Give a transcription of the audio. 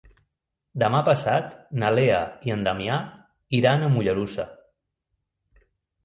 Demà passat na Lea i en Damià iran a Mollerussa.